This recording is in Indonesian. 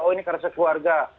oh ini karya sekeluarga